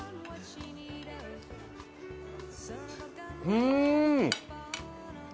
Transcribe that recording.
うん！